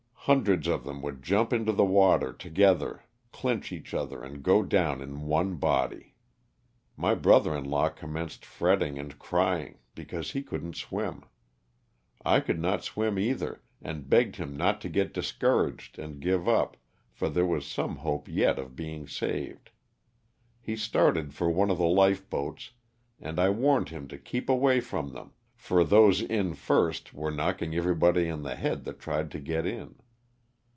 Hundreds of them would jump into the water together, clinch each other and go down in one body. My brother in law commenced fretting and crying because he couldn't swim. I could not swim either and begged him not to get discouraged and give up for there was some hope yet of being saved. He started for one of the life boats and I warned him to keep away from them, for those in first were knocking everybody in the head that tried to get in.